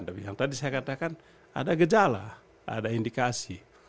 tapi yang tadi saya katakan ada gejala ada indikasi